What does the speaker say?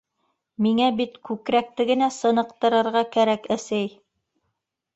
- Миңә бит күкрәкте генә сыныҡтырырға кәрәк, әсәй.